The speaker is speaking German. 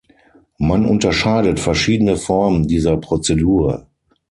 Man unterscheidet verschiedene Formen dieser Prozedur.